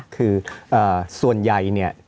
คือส่วนใหญ่เนี่ย